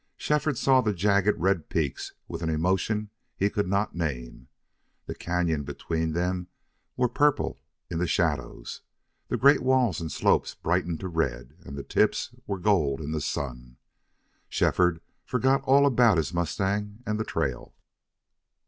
Shefford saw the jagged red peaks with an emotion he could not name. The cañon between them were purple in the shadows, the great walls and slopes brightened to red, and the tips were gold in the sun. Shefford forgot all about his mustang and the trail.